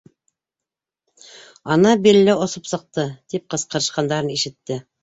Ана Билле осоп сыҡты! —тип ҡысҡырышҡандарын ишетте.